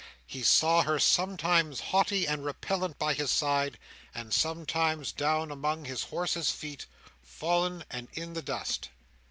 He saw her sometimes haughty and repellent at his side, and some times down among his horse's feet, fallen and in the dust.